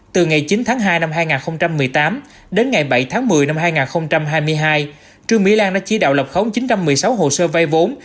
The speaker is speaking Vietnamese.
từ ngày chín tháng hai năm hai nghìn một mươi tám đến ngày bảy tháng một mươi năm hai nghìn hai mươi hai trương mỹ lan đã chỉ đạo lập khống chín trăm một mươi sáu hồ sơ vai vốn